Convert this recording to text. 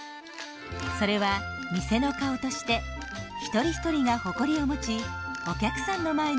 それは店の顔として一人一人が誇りを持ちお客さんの前に立っているからなんです。